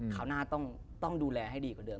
คราวหน้าต้องดูแลให้ดีกว่าเดิ